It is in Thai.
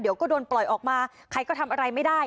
เดี๋ยวก็โดนปล่อยออกมาใครก็ทำอะไรไม่ได้